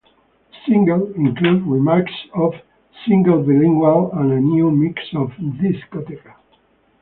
The single included remixes of "Single-Bilingual" and a new mix of "Discoteca".